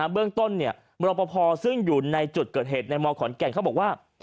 เบื้องต้นเนี่ยบรรพพอซึ่งอยู่ในจุดเกิดเหตุในมขแก่งเขาบอกว่า